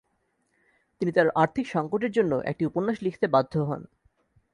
তিনি তার আর্থিক সংকটের জন্য একটি উপন্যাস লিখতে বাধ্য হন।